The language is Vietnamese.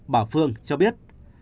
bảo phương cho biết